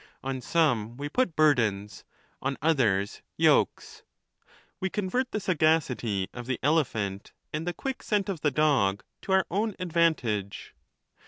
On some we put burdens, on others yokes. We convert the sagac ity of the elephant and the quick scent of the dog to our own advantage.